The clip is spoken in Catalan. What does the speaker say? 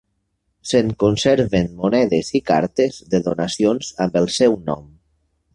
Se'n conserven monedes i cartes de donacions amb el seu nom.